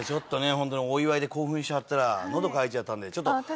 ホントにお祝いで興奮しちゃったらのど渇いちゃったんでなんでだよ！